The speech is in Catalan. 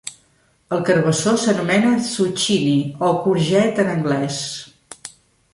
El carbassó s'anomena "zucchini" o "courgette" en anglès